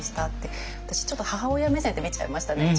私ちょっと母親目線で見ちゃいましたね。